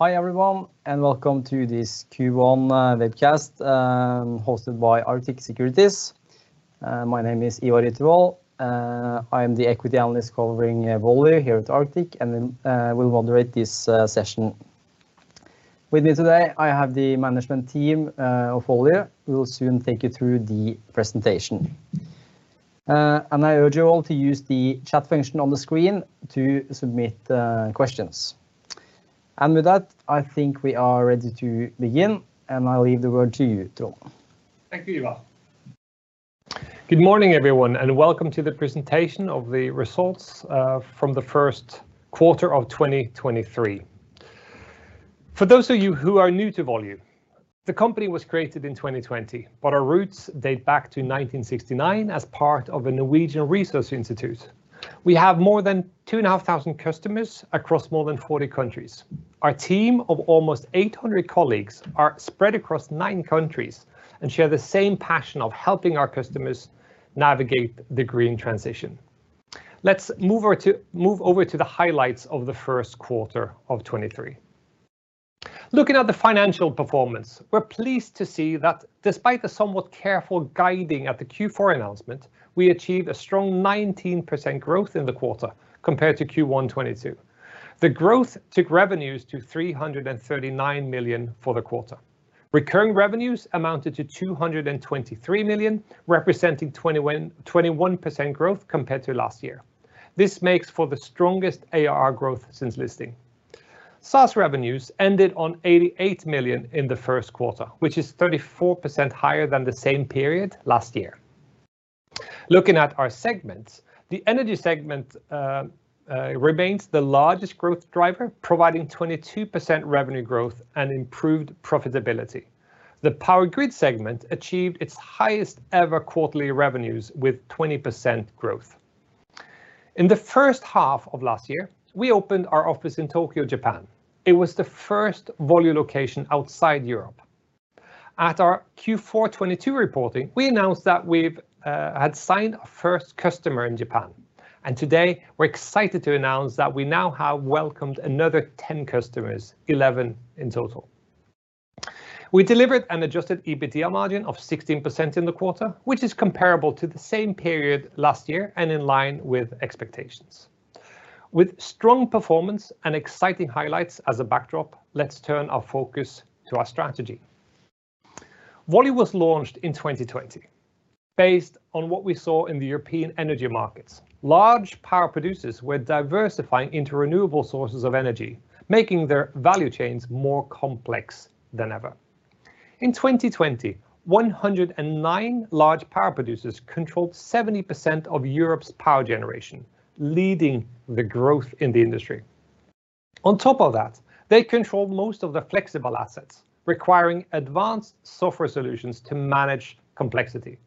Hi, everyone, and welcome to this Q1 webcast hosted by Arctic Securities. My name is Ivar Drevvatne. I am the equity analyst covering Volue here at Arctic, and then we will moderate this session. With me today, I have the management team of Volue, who will soon take you through the presentation. I urge you all to use the chat function on the screen to submit questions. With that, I think we are ready to begin, and I'll leave the word to you, Trond. Thank you, Ivar. Good morning, everyone, welcome to the presentation of the results from the first quarter of 2023. For those of you who are new to Volue, the company was created in 2020, but our roots date back to 1969 as part of a Norwegian resource institute. We have more than 2,500 customers across more than 40 countries. Our team of almost 800 colleagues are spread across nine countries and share the same passion of helping our customers navigate the green transition. Let's move over to the highlights of the first quarter of 2023. Looking at the financial performance, we're pleased to see that despite the somewhat careful guiding at the Q4 announcement, we achieved a strong 19% growth in the quarter compared to Q1 2022. The growth took revenues to 339 million for the quarter. Recurring revenues amounted to 223 million, representing 21% growth compared to last year. This makes for the strongest ARR growth since listing. SaaS revenues ended on 88 million in the first quarter, which is 34% higher than the same period last year. Looking at our segments, the energy segment remains the largest growth driver, providing 22% revenue growth and improved profitability. The power grid segment achieved its highest ever quarterly revenues with 20% growth. In the first half of last year, we opened our office in Tokyo, Japan. It was the first Volue location outside Europe. At our Q4 2022 reporting, we announced that we've had signed a first customer in Japan, and today we're excited to announce that we now have welcomed another 10 customers, 11 in total. We delivered an Adjusted EBITDA margin of 16% in the quarter, which is comparable to the same period last year and in line with expectations. With strong performance and exciting highlights as a backdrop, let's turn our focus to our strategy. Volue was launched in 2020. Based on what we saw in the European energy markets, large power producers were diversifying into renewable sources of energy, making their value chains more complex than ever. In 2020, 109 large power producers controlled 70% of Europe's power generation, leading the growth in the industry. On top of that, they control most of the flexible assets, requiring advanced software solutions to manage complexity.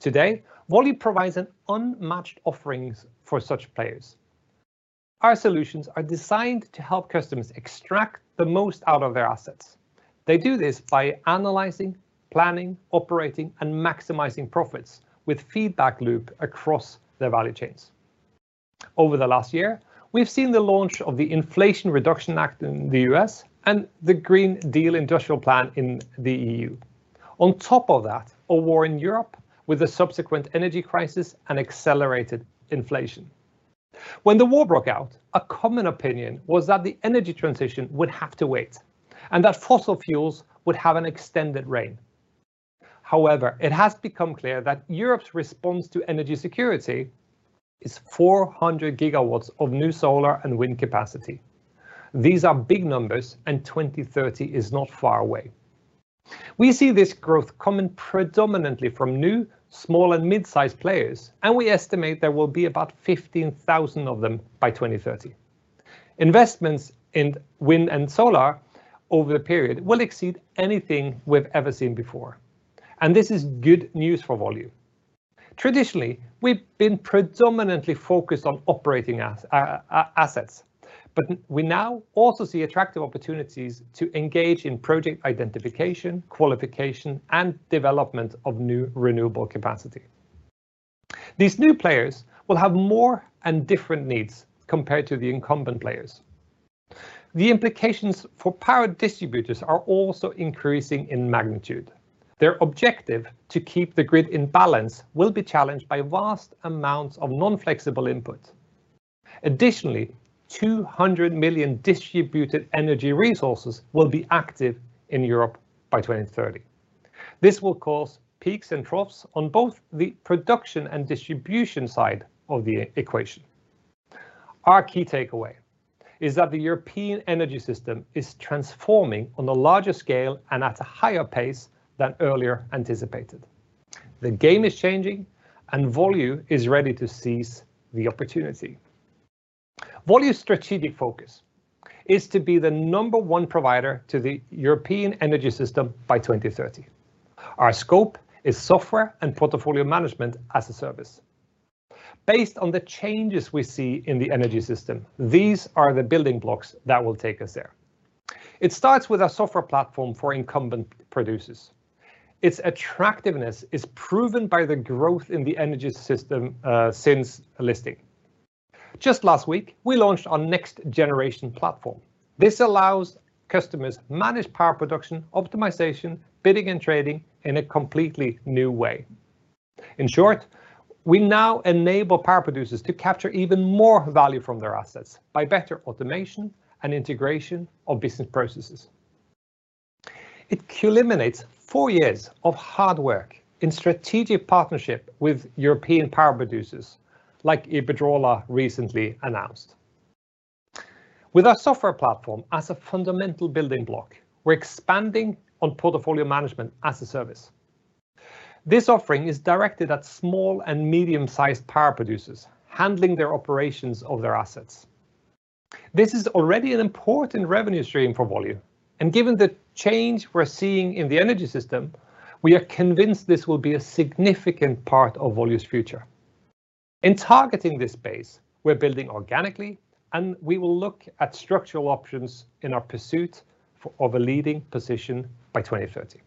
Today, Volue provides an unmatched offerings for such players. Our solutions are designed to help customers extract the most out of their assets. They do this by analyzing, planning, operating, and maximizing profits with feedback loop across their value chains. Over the last year, we've seen the launch of the Inflation Reduction Act in the U.S. and the Green Deal Industrial Plan in the E.U. On top of that, a war in Europe with a subsequent energy crisis and accelerated inflation. When the war broke out, a common opinion was that the energy transition would have to wait and that fossil fuels would have an extended reign. However, it has become clear that Europe's response to energy security is 400 gigawatts of new solar and wind capacity. These are big numbers, and 2030 is not far away. We see this growth coming predominantly from new, small, and mid-sized players, and we estimate there will be about 15,000 of them by 2030. Investments in wind and solar over the period will exceed anything we've ever seen before. This is good news for Volue. Traditionally, we've been predominantly focused on operating assets, but we now also see attractive opportunities to engage in project identification, qualification, and development of new renewable capacity. These new players will have more and different needs compared to the incumbent players. The implications for power distributors are also increasing in magnitude. Their objective to keep the grid in balance will be challenged by vast amounts of non-flexible input. Additionally, 200 million distributed energy resources will be active in Europe by 2030. This will cause peaks and troughs on both the production and distribution side of the equation. Our key takeaway is that the European energy system is transforming on a larger scale and at a higher pace than earlier anticipated. The game is changing, and Volue is ready to seize the opportunity. Volue's strategic focus is to be the number one provider to the European energy system by 2030. Our scope is software and Portfolio Management as a service. Based on the changes we see in the energy system, these are the building blocks that will take us there. It starts with a software platform for incumbent producers. Its attractiveness is proven by the growth in the energy system since listing. Just last week, we launched our next generation platform. This allows customers manage power production, optimization, bidding, and trading in a completely new way. In short, we now enable power producers to capture even more value from their assets by better automation and integration of business processes. It culminates four years of hard work in strategic partnership with European power producers, like Iberdrola recently announced. With our software platform as a fundamental building block, we're expanding on Portfolio Management as a service. This offering is directed at small and medium-sized power producers handling their operations of their assets. This is already an important revenue stream for Volue. Given the change we're seeing in the energy system, we are convinced this will be a significant part of Volue's future. In targeting this space, we're building organically. We will look at structural options in our pursuit of a leading position by 2030.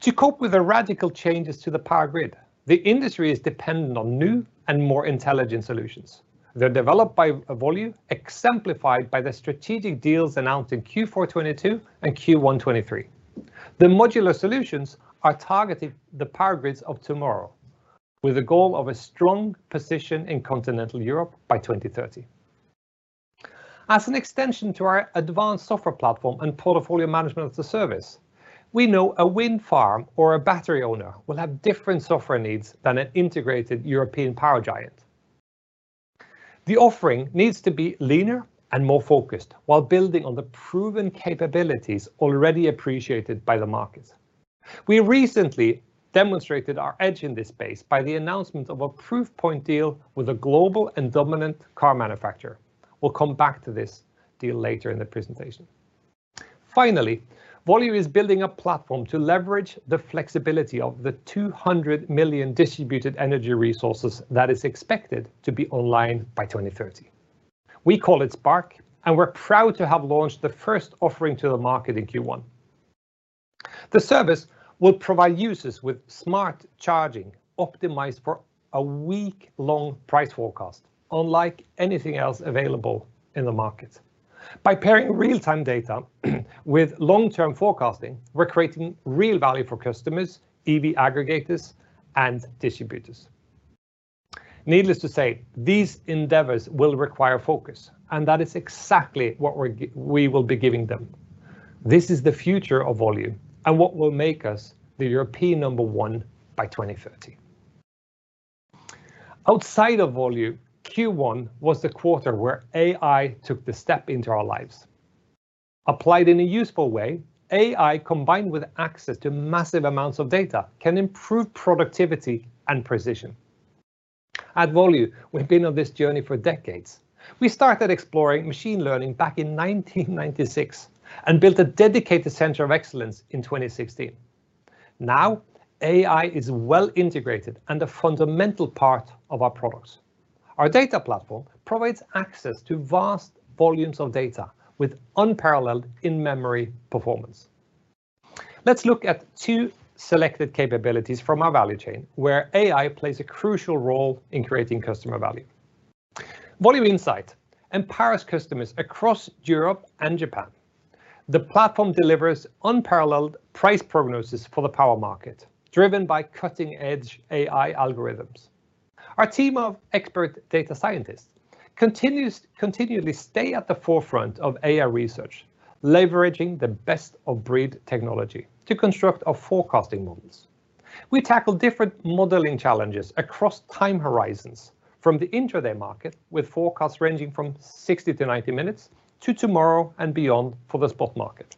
To cope with the radical changes to the power grid, the industry is dependent on new and more intelligent solutions. They're developed by Volue, exemplified by the strategic deals announced in Q4 2022 and Q1 2023. The modular solutions are targeting the power grids of tomorrow with the goal of a strong position in continental Europe by 2030. As an extension to our advanced software platform and Portfolio Management as a service, we know a wind farm or a battery owner will have different software needs than an integrated European power giant. The offering needs to be leaner and more focused while building on the proven capabilities already appreciated by the markets. We recently demonstrated our edge in this space by the announcement of a proof-point deal with a global and dominant car manufacturer. We'll come back to this deal later in the presentation. Finally, Volue is building a platform to leverage the flexibility of the 200 million distributed energy resources that is expected to be online by 2030. We call it Spark, and we're proud to have launched the first offering to the market in Q1. The service will provide users with smart charging optimized for a week-long price forecast, unlike anything else available in the market. By pairing real-time data with long-term forecasting, we're creating real value for customers, EV aggregators, and distributors. Needless to say, these endeavors will require focus, and that is exactly what we will be giving them. This is the future of Volue and what will make us the European number one by 2030. Outside of Volue, Q1 was the quarter where AI took the step into our lives. Applied in a useful way, AI, combined with access to massive amounts of data, can improve productivity and precision. At Volue, we've been on this journey for decades. We started exploring machine learning back in 1996 and built a dedicated center of excellence in 2016. Now, AI is well integrated and a fundamental part of our products. Our data platform provides access to vast volumes of data with unparalleled in-memory performance. Let's look at two selected capabilities from our value chain where AI plays a crucial role in creating customer value. Volue Insight empowers customers across Europe and Japan. The platform delivers unparalleled price prognosis for the power market, driven by cutting-edge AI algorithms. Our team of expert data scientists continually stay at the forefront of AI research, leveraging the best-of-breed technology to construct our forecasting models. We tackle different modeling challenges across time horizons, from the intraday market, with forecasts ranging from 60 to 90 minutes, to tomorrow and beyond for the spot market.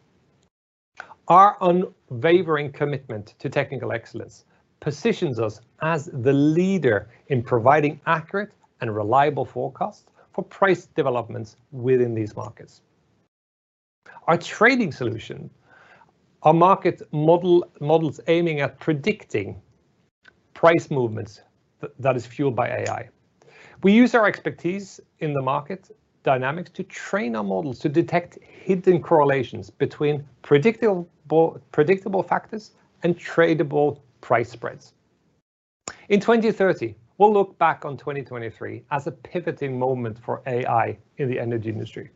Our unwavering commitment to technical excellence positions us as the leader in providing accurate and reliable forecasts for price developments within these markets. Our trading solution, our market model, models aiming at predicting price movements that is fueled by AI. We use our expertise in the market dynamics to train our models to detect hidden correlations between predictable factors and tradable price spreads. In 2030, we'll look back on 2023 as a pivoting moment for AI in the energy industry.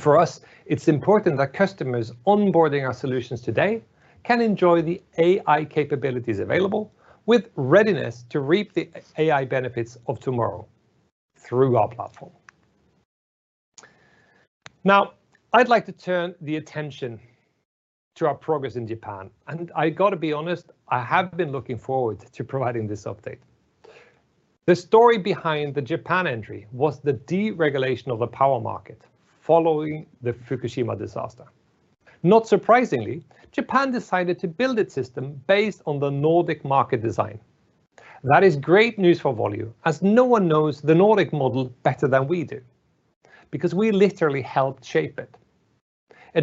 For us, it's important that customers onboarding our solutions today can enjoy the AI capabilities available with readiness to reap the AI benefits of tomorrow through our platform. Now, I'd like to turn the attention to our progress in Japan, and I gotta be honest, I have been looking forward to providing this update. The story behind the Japan entry was the deregulation of the power market following the Fukushima disaster. Not surprisingly, Japan decided to build its system based on the Nordic market design. That is great news for Volue, as no one knows the Nordic model better than we do because we literally helped shape it. The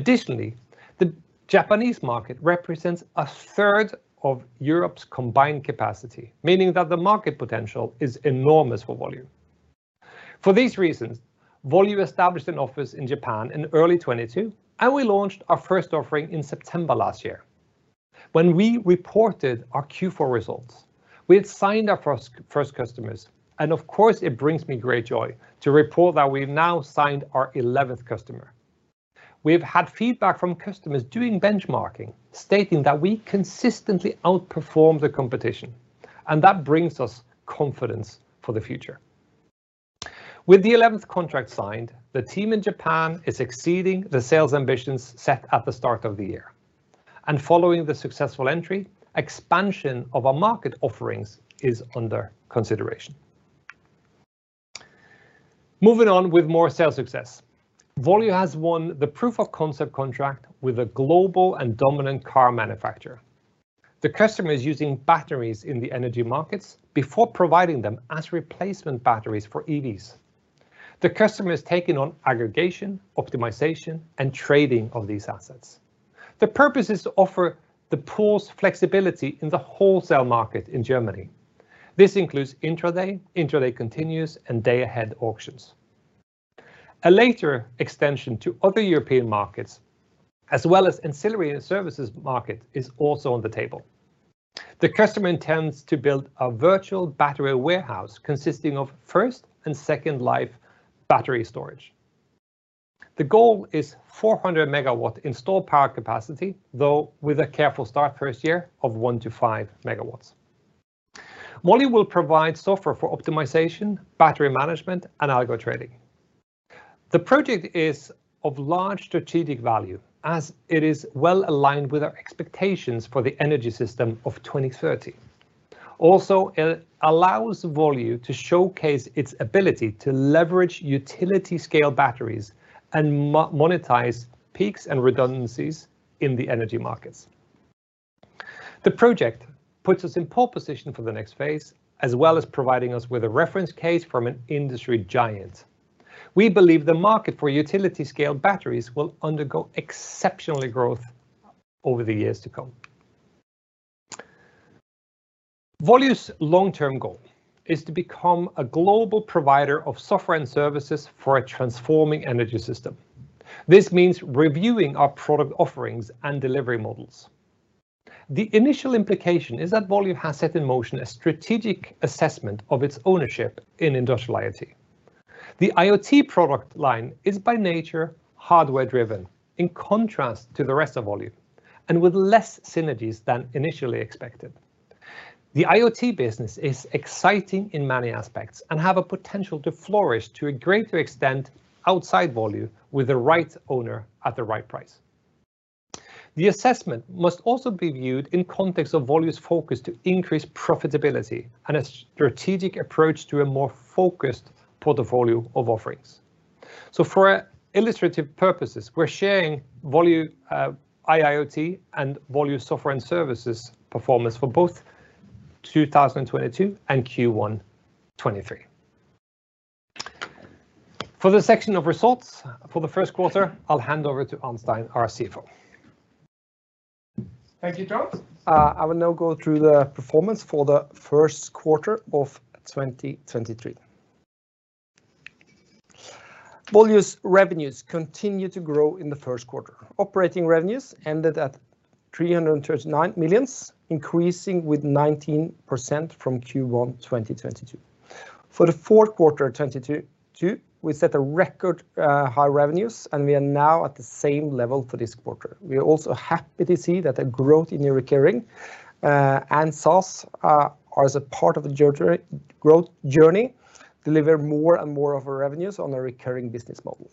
Japanese market represents a third of Europe's combined capacity, meaning that the market potential is enormous for Volue. For these reasons, Volue established an office in Japan in early 2022. We launched our first offering in September last year. When we reported our Q4 results, we had signed our first customers. Of course, it brings me great joy to report that we've now signed our 11th customer. We've had feedback from customers doing benchmarking, stating that we consistently outperform the competition. That brings us confidence for the future. With the 11th contract signed, the team in Japan is exceeding the sales ambitions set at the start of the year. Following the successful entry, expansion of our market offerings is under consideration. With more sales success, Volue has won the proof-of-concept contract with a global and dominant car manufacturer. The customer is using batteries in the energy markets before providing them as replacement batteries for EVs. The customer is taking on aggregation, optimization, and trading of these assets. The purpose is to offer the pool's flexibility in the wholesale market in Germany. This includes intraday continuous, and day-ahead auctions. A later extension to other European markets, as well as ancillary services market, is also on the table. The customer intends to build a virtual battery warehouse consisting of first and second life battery storage. The goal is 400 MW installed power capacity, though with a careful start first year of 1 MW-5 MW. Volue will provide software for optimization, battery management, and algo trading. The project is of large strategic value, as it is well-aligned with our expectations for the energy system of 2030. It allows Volue to showcase its ability to leverage utility scale batteries and monetize peaks and redundancies in the energy markets. The project puts us in pole position for the next phase, as well as providing us with a reference case from an industry giant. We believe the market for utility scale batteries will undergo exceptional growth over the years to come. Volue's long-term goal is to become a global provider of software and services for a transforming energy system. This means reviewing our product offerings and delivery models. The initial implication is that Volue has set in motion a strategic assessment of its ownership in Industrial IoT. The IoT product line is by nature hardware-driven, in contrast to the rest of Volue, and with less synergies than initially expected. The IoT business is exciting in many aspects and have a potential to flourish to a greater extent outside Volue with the right owner at the right price. The assessment must also be viewed in context of Volue's focus to increase profitability and a strategic approach to a more focused portfolio of offerings. For illustrative purposes, we're sharing Volue IoT and Volue software and services performance for both 2022 and Q1 2023. For the section of results, for the first quarter, I'll hand over to Arnstein, our CFO. Thank you, Trond. I will now go through the performance for the first quarter of 2023. Volue's revenues continued to grow in the first quarter. Operating revenues ended at 339 million, increasing with 19% from Q1 2022. For the fourth quarter of 2022, we set a record high revenues, and we are now at the same level for this quarter. We are also happy to see that a growth in the recurring and SaaS are as a part of the journey, growth journey, deliver more and more of our revenues on a recurring business model.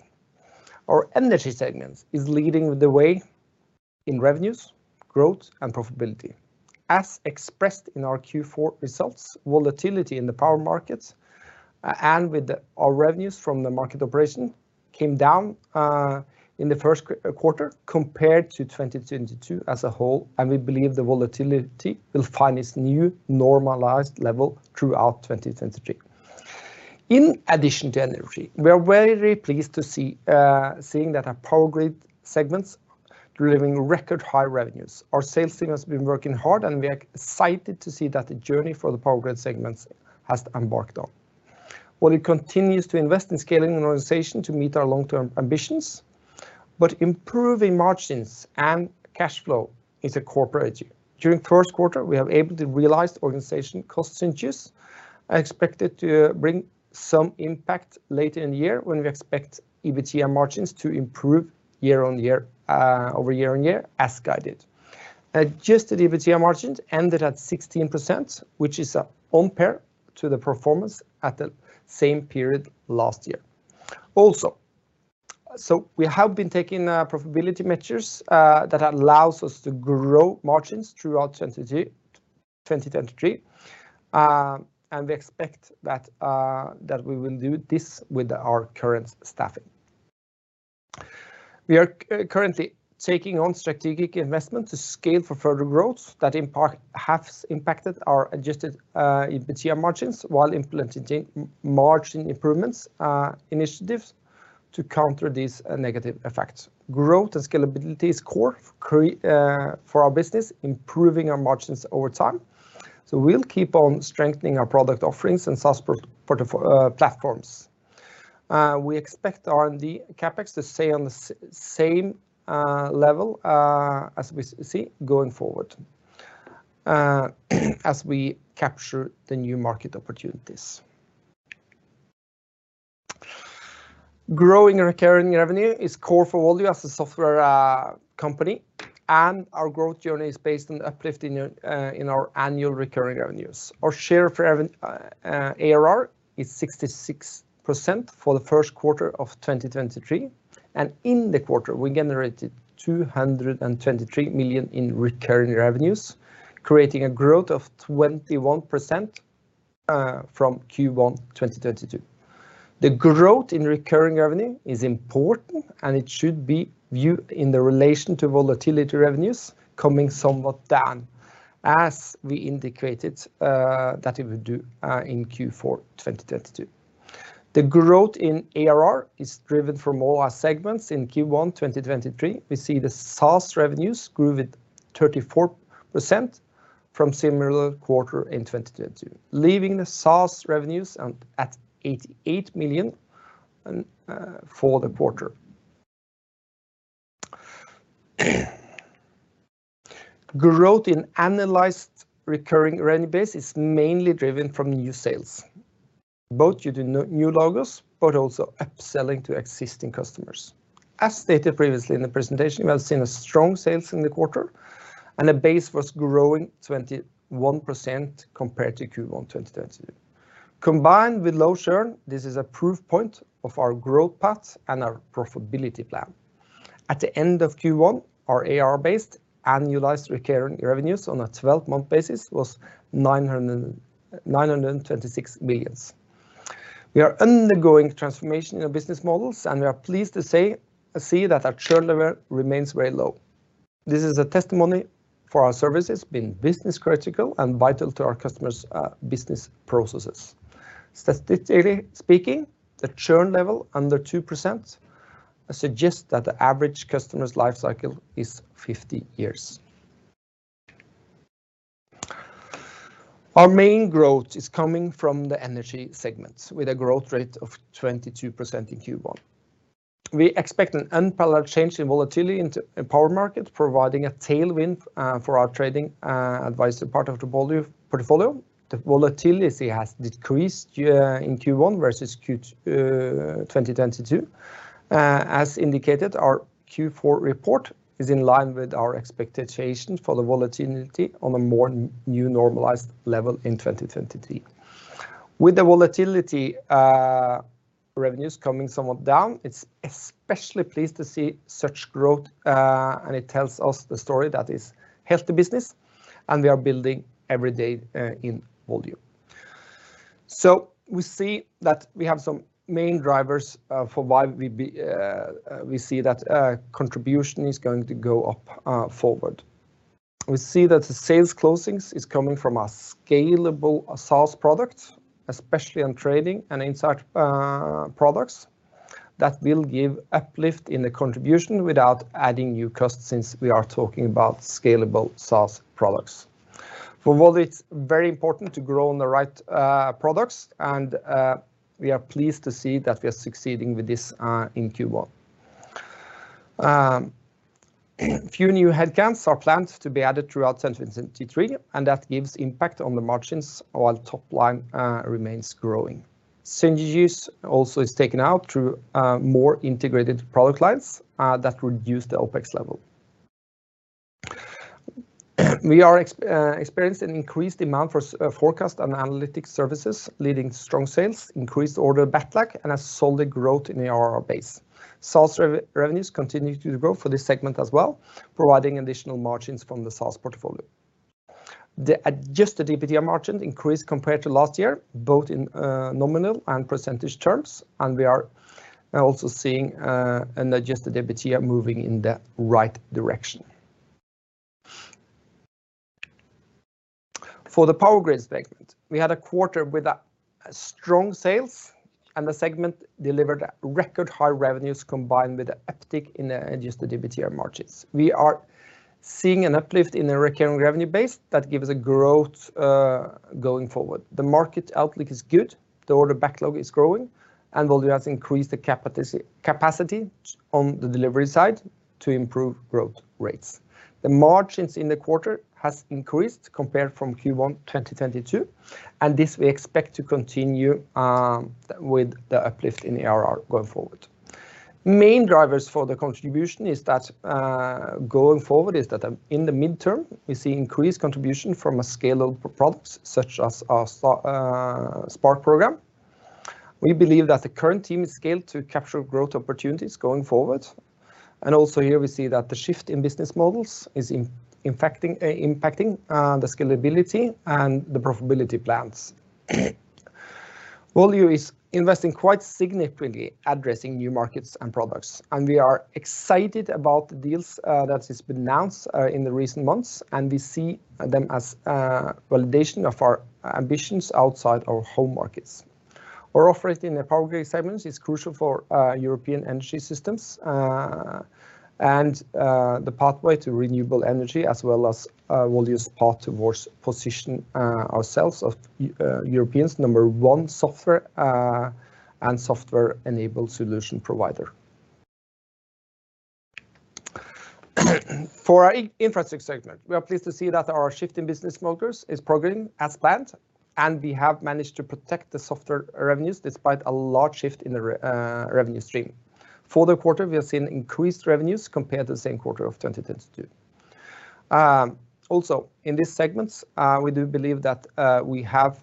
Our energy segment is leading the way in revenues, growth, and profitability. As expressed in our Q4 results, volatility in the power markets and with our revenues from the market operation came down in the first quarter compared to 2022 as a whole. We believe the volatility will find its new normalized level throughout 2023. In addition to energy, we are very pleased seeing that our power grid segments delivering record high revenues. Our sales team has been working hard. We are excited to see that the journey for the power grid segments has embarked on. Volue continues to invest in scaling and organization to meet our long-term ambitions. Improving margins and cash flow is a core priority. During the first quarter, we have able to realize the organization cost synergies expected to bring some impact later in the year when we expect EBITDA margins to improve year-on-year, over year-on-year, as guided. Adjusted EBITDA margins ended at 16%, which is on par to the performance at the same period last year also. We have been taking profitability measures that allows us to grow margins throughout 2023, and we expect that we will do this with our current staffing. We are currently taking on strategic investment to scale for further growth that impact, has impacted our Adjusted EBITDA margins while implementing margin improvements initiatives to counter these negative effects. Growth and scalability is core for our business, improving our margins over time. We'll keep on strengthening our product offerings and SaaS platforms. We expect R&D CapEx to stay on the same level as we see going forward as we capture the new market opportunities. Growing recurring revenue is core for Volue as a software company, and our growth journey is based on uplift in our annual recurring revenues. Our share for ARR is 66% for the first quarter of 2023, and in the quarter we generated 223 million in recurring revenues, creating a growth of 21% from Q1, 2022. The growth in recurring revenue is important, and it should be viewed in the relation to volatility revenues coming somewhat down, as we indicated that it would do in Q4, 2022. The growth in ARR is driven from all our segments in Q1 2023. We see the SaaS revenues grew with 34% from similar quarter in 2022, leaving the SaaS revenues at 88 million for the quarter. Growth in analyzed recurring revenue base is mainly driven from new sales, both due to new logos, but also upselling to existing customers. As stated previously in the presentation, we have seen a strong sales in the quarter and the base was growing 21% compared to Q1 2022. Combined with low churn, this is a proof point of our growth path and our profitability plan. At the end of Q1, our AR-based annualized recurring revenues on a 12-month basis was 996 million. We are undergoing transformation in our business models. We are pleased to say, see that our churn level remains very low. This is a testimony for our services being business-critical and vital to our customers' business processes. Statistically speaking, the churn level under 2% suggests that the average customer's life cycle is 50 years. Our main growth is coming from the energy segments with a growth rate of 22% in Q1. We expect an unparalleled change in volatility in power market, providing a tailwind for our trading advisor part of the Volue portfolio. The volatility has decreased in Q1 versus Q2 2022. As indicated, our Q4 report is in line with our expectations for the volatility on a more new normalized level in 2023. With the volatility, revenues coming somewhat down, it's especially pleased to see such growth, and it tells us the story that is healthy business and we are building every day in Volue. We see that we have some main drivers for why we see that contribution is going to go up forward. We see that the sales closings is coming from a scalable SaaS product, especially on trading and Insight, products that will give uplift in the contribution without adding new costs since we are talking about scalable SaaS products. For Volue, it's very important to grow on the right products and we are pleased to see that we are succeeding with this in Q1. Few new headcounts are planned to be added throughout 2023, that gives impact on the margins while top line remains growing. Synergies also is taken out through more integrated product lines that reduce the OpEx level. We are experiencing an increased demand for forecast and analytics services, leading strong sales, increased order backlog, and a solid growth in ARR base. SaaS revenues continue to grow for this segment as well, providing additional margins from the SaaS portfolio. The Adjusted EBITDA margin increased compared to last year, both in nominal and percentage terms. We are also seeing an Adjusted EBITDA moving in the right direction. For the power grids segment, we had a quarter with strong sales. The segment delivered record high revenues combined with an uptick in the Adjusted EBITDA margins. We are seeing an uplift in the recurring revenue base that gives a growth going forward. The market outlook is good. The order backlog is growing and Volue has increased the capacity on the delivery side to improve growth rates. The margins in the quarter has increased compared from Q1, 2022, and this we expect to continue with the uplift in ARR going forward. Main drivers for the contribution is that going forward is that in the mid-term, we see increased contribution from scalable products such as our Spark program. We believe that the current team is scaled to capture growth opportunities going forward. Also here we see that the shift in business models is impacting the scalability and the profitability plans. Volue is investing quite significantly addressing new markets and products. We are excited about the deals that has been announced in the recent months. We see them as a validation of our ambitions outside our home markets. Our offering in the power grid segment is crucial for European energy systems. The pathway to renewable energy as well as Volue's path towards position ourselves of Europeans' number one software and software enabled solution provider. For our Infrastructure segment, we are pleased to see that our shift in business models is progressing as planned. We have managed to protect the softer revenues despite a large shift in the revenue stream. For the quarter, we have seen increased revenues compared to the same quarter of 2022. Also in these segments, we do believe that we have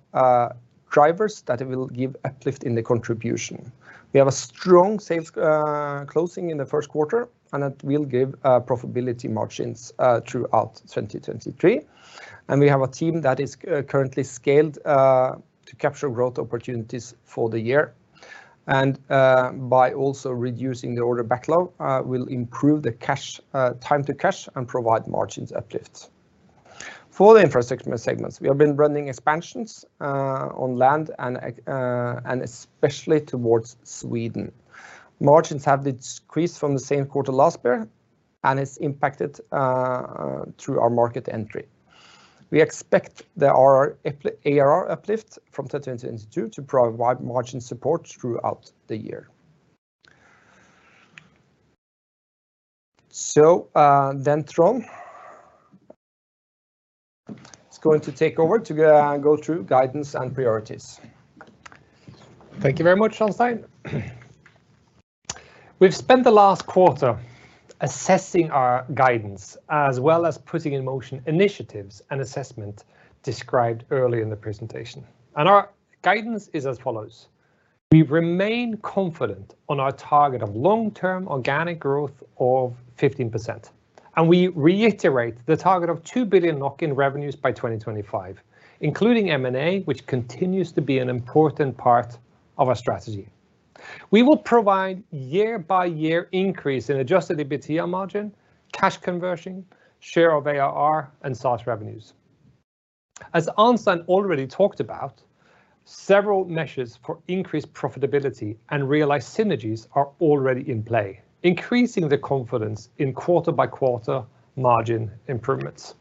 drivers that will give uplift in the contribution. We have a strong sales closing in the first quarter, and that will give profitability margins throughout 2023. We have a team that is currently scaled to capture growth opportunities for the year. By also reducing the order backlog, will improve the cash time to cash and provide margins uplifts. For the Infrastructure segments, we have been running expansions on land and especially towards Sweden. Margins have decreased from the same quarter last year and is impacted through our market entry. We expect the ARR uplift from 2022 to provide margin support throughout the year. Trond is going to take over to go through guidance and priorities. Thank you very much, Arnstein. We've spent the last quarter assessing our guidance, as well as putting in motion initiatives and assessment described earlier in the presentation. Our guidance is as follows. We remain confident on our target of long-term organic growth of 15%, and we reiterate the target of 2 billion lock-in revenues by 2025, including M&A, which continues to be an important part of our strategy. We will provide year by year increase in Adjusted EBITDA margin, cash conversion, share of ARR, and SaaS revenues. As Arnstein already talked about, several measures for increased profitability and realized synergies are already in play, increasing the confidence in quarter-by-quarter margin improvements.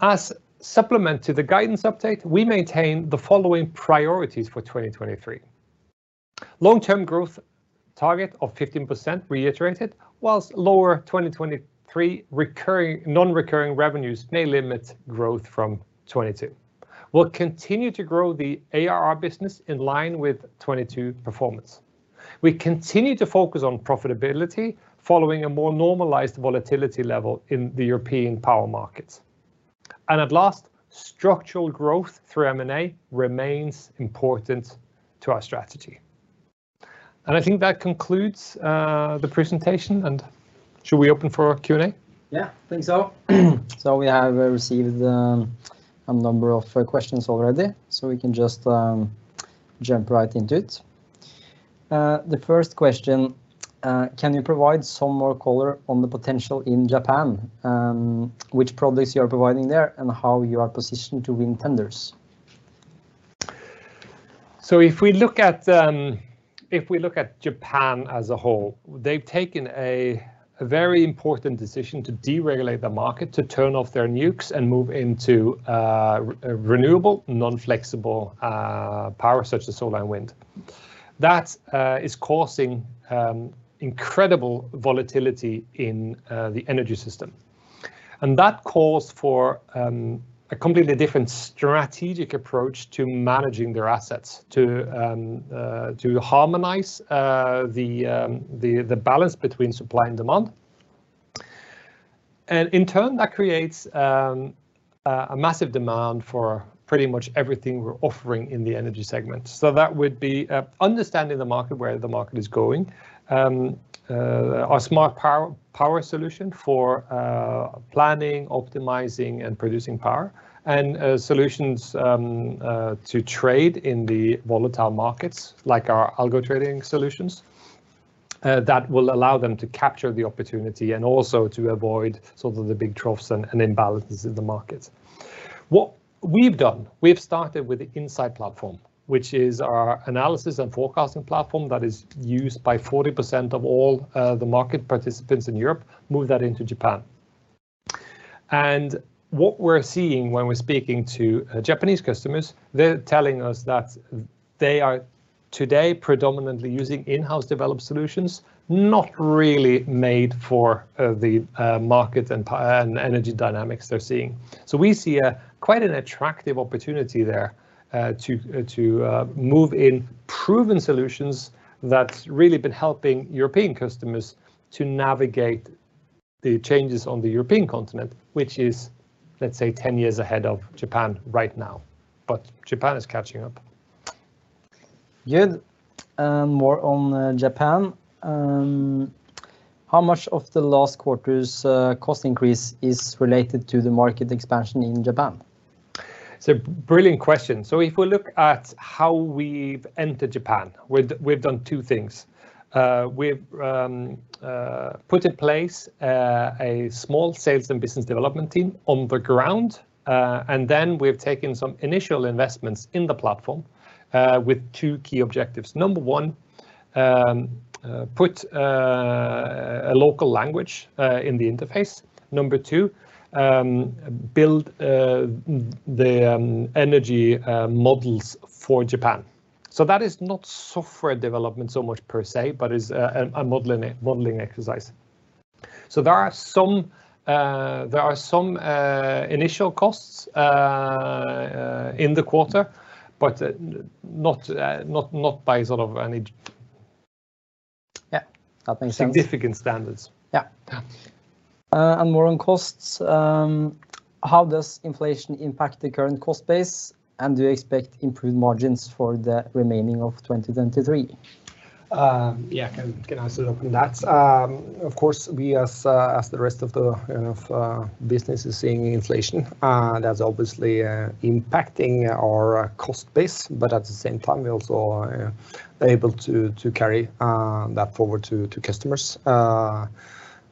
As supplement to the guidance update, we maintain the following priorities for 2023. Long-term growth target of 15% reiterated, whilst lower 2023 non-recurring revenues may limit growth from 2022. We'll continue to grow the ARR business in line with 2022 performance. We continue to focus on profitability following a more normalized volatility level in the European power markets. At last, structural growth through M&A remains important to our strategy. I think that concludes the presentation. Should we open for Q&A? Yeah, think so. We have received a number of questions already, so we can just jump right into it. The first question, can you provide some more color on the potential in Japan, which products you are providing there, and how you are positioned to win tenders? If we look at, if we look at Japan as a whole, they've taken a very important decision to deregulate the market, to turn off their nukes and move into renewable, non-flexible power such as solar and wind. That is causing incredible volatility in the energy system. That calls for a completely different strategic approach to managing their assets to harmonize the balance between supply and demand. In turn, that creates a massive demand for pretty much everything we're offering in the energy segment. That would be understanding the market, where the market is going, our Smart Power solution for planning, optimizing, and producing power, and solutions to trade in the volatile markets, like our Algo Trader solutions, that will allow them to capture the opportunity and also to avoid sort of the big troughs and imbalances in the markets. We've done, we've started with the Insight platform, which is our analysis and forecasting platform that is used by 40% of all the market participants in Europe, move that into Japan. And what we're seeing when we're speaking to Japanese customers, they're telling us that they are today predominantly using in-house developed solutions, not really made for the market and energy dynamics they're seeing. We see a quite an attractive opportunity there, to move in proven solutions that's really been helping European customers to navigate the changes on the European continent, which is, let's say, 10 years ahead of Japan right now. Japan is catching up. Good. More on Japan. How much of the last quarter's cost increase is related to the market expansion in Japan? It's a brilliant question. If we look at how we've entered Japan, we've done two things. We've put in place a small sales and business development team on the ground. We've taken some initial investments in the platform with two key objectives. Number one, put a local language in the interface. Number two, build the energy models for Japan. That is not software development so much per se, but is a modeling exercise. There are some initial costs in the quarter, but not by sort of any... Yeah. That makes sense significant standards. Yeah. Yeah. More on costs, how does inflation impact the current cost base, and do you expect improved margins for the remaining of 2023? Yeah, can I answer that one? That's, of course, we as the rest of the, you know, business is seeing inflation, that's obviously impacting our cost base. At the same time, we also are able to carry that forward to customers.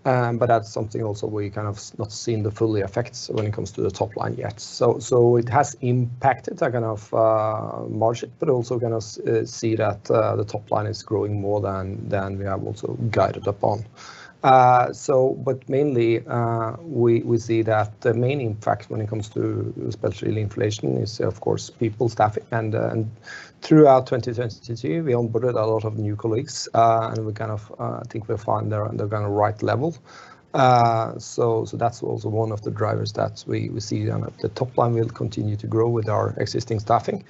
That's something also we kind of not seen the fully effects when it comes to the top line yet. It has impacted the kind of margin, but also gonna see that the top line is growing more than we have also guided upon. Mainly, we see that the main impact when it comes to especially inflation is, of course, people, staff. Throughout 2022, we onboarded a lot of new colleagues, and we kind of think we found their kind of right level. So that's also one of the drivers that we see on the top line will continue to grow with our existing staffing.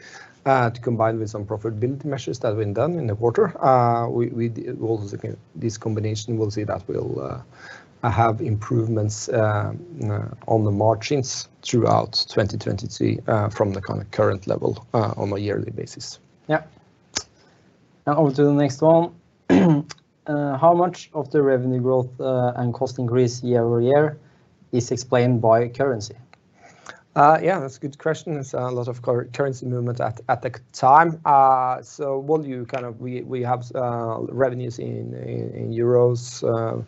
To combine with some profitability measures that have been done in the quarter, this combination, we'll see that will have improvements on the margins throughout 2023 from the kind of current level on a yearly basis. Now on to the next one. How much of the revenue growth and cost increase year-over-year is explained by currency? Yeah, that's a good question. It's a lot of currency movement at the time. While we have revenues in Euros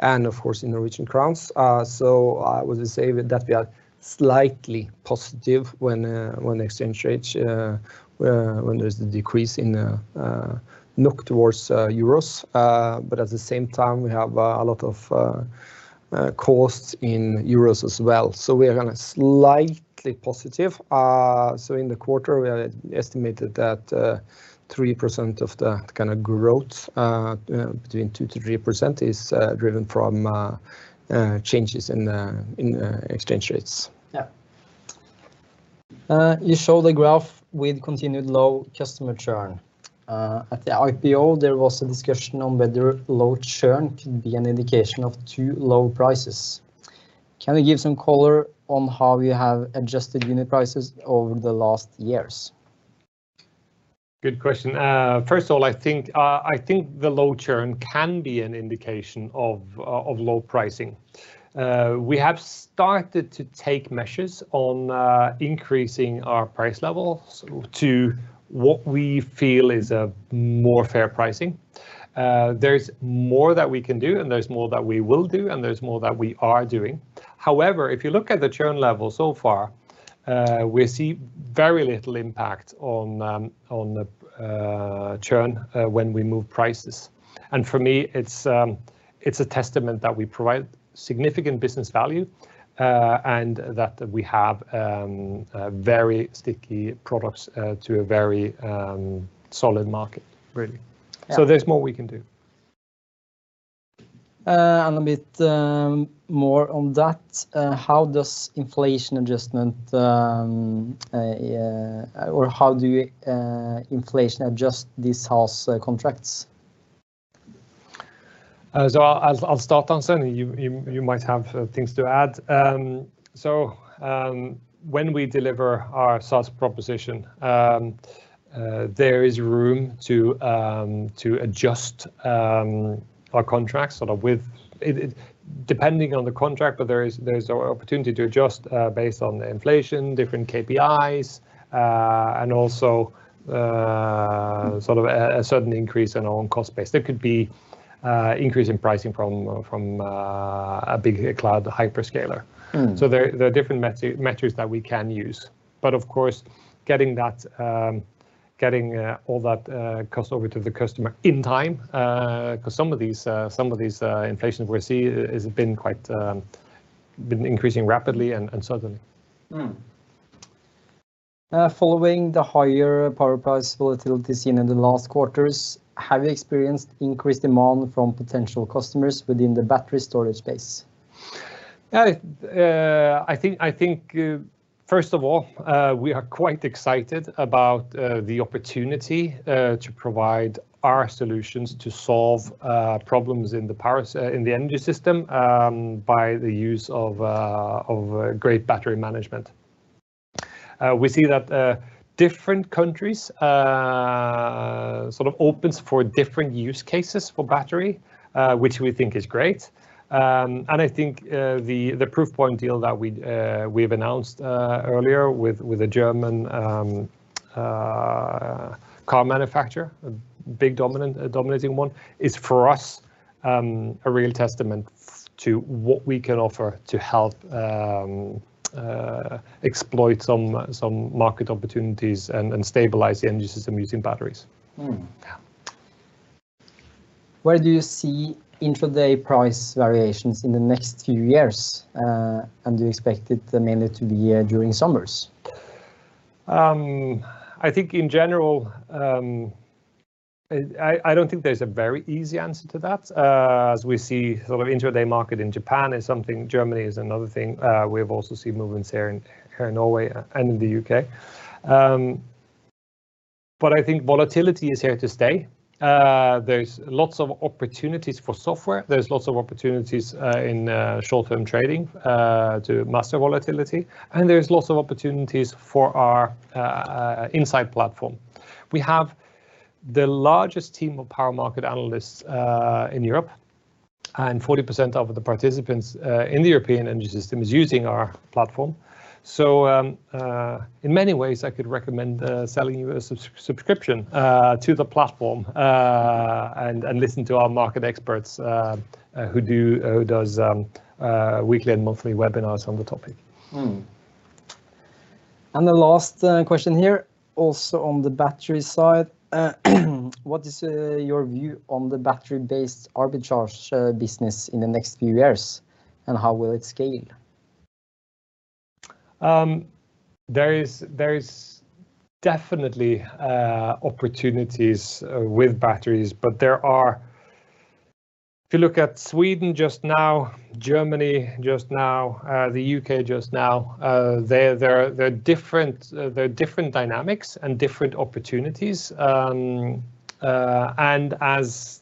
and of course in Norwegian krone, I would say that we are slightly positive when exchange rates when there's the decrease in NOK towards Euros. At the same time, we have a lot of costs in Euros as well. We are kind of slightly positive. In the quarter, we are estimated that 3% of the kind of growth between 2%-3% is driven from changes in exchange rates. You show the graph with continued low customer churn. At the IPO, there was a discussion on whether low churn could be an indication of too low prices. Can you give some color on how you have adjusted unit prices over the last years? Good question. First of all, I think the low churn can be an indication of low pricing. We have started to take measures on increasing our price level, so to what we feel is a more fair pricing. There's more that we can do, and there's more that we will do, and there's more that we are doing. However, if you look at the churn level so far, we see very little impact on the churn when we move prices. For me, it's a testament that we provide significant business value, and that we have very sticky products to a very solid market, really. Yeah. There's more we can do. A bit more on that, how does inflation adjustment, or how do you inflation adjust these SaaS contracts? I'll start, Arnstein. You might have things to add. When we deliver our SaaS proposition, there is room to adjust our contracts. Depending on the contract, there's an opportunity to adjust based on the inflation, different KPIs, and also sort of a certain increase in our own cost base. There could be an increase in pricing from a big cloud hyperscaler. Mm. There are different measures that we can use. Of course, getting all that cost over to the customer in time, 'cause some of these inflations we're see is been quite increasing rapidly and suddenly. Following the higher power price volatility seen in the last quarters, have you experienced increased demand from potential customers within the battery storage space? Yeah. I think, first of all, we are quite excited about the opportunity to provide our solutions to solve problems in the energy system, by the use of great battery management. We see that different countries sort of opens for different use cases for battery, which we think is great. I think, the proof point deal that we've announced earlier with a German car manufacturer, a big dominating one, is for us a real testament to what we can offer to help exploit some market opportunities and stabilize the energy system using batteries. Mm. Yeah. Where do you see intra-day price variations in the next few years? you expect it mainly to be during summers? I think in general, I don't think there's a very easy answer to that. As we see, sort of, intraday market in Japan is something, Germany is another thing. We've also seen movements here in Norway and in the U.K. I think volatility is here to stay. There's lots of opportunities for software. There's lots of opportunities in short-term trading to master volatility, and there's lots of opportunities for our Insight platform. We have the largest team of power market analysts in Europe, and 40% of the participants in the European energy system is using our platform. In many ways, I could recommend selling you a subscription to the platform, and listen to our market experts, who does weekly and monthly webinars on the topic. The last question here, also on the battery side. What is your view on the battery-based arbitrage business in the next few years? How will it scale? There is definitely opportunities with batteries, but there are. If you look at Sweden just now, Germany just now, the U.K. just now, there are different dynamics and different opportunities. As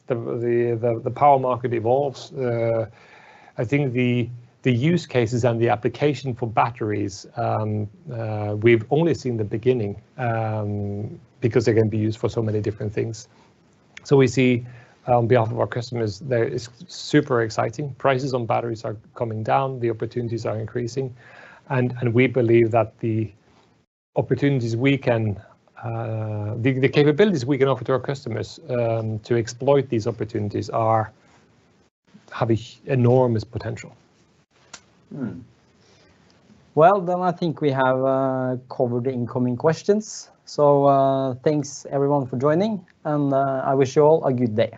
the power market evolves, I think the use cases and the application for batteries, we've only seen the beginning, because they're gonna be used for so many different things. We see, on behalf of our customers, it's super exciting. Prices on batteries are coming down. The opportunities are increasing. We believe that the opportunities we can. The capabilities we can offer to our customers, to exploit these opportunities are, have a enormous potential. Well, I think we have covered the incoming questions. Thanks everyone for joining, and I wish you all a good day.